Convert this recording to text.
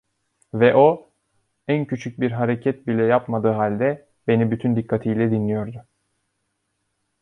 Ve o, en küçük bir hareket bile yapmadığı halde, beni bütün dikkatiyle dinliyordu.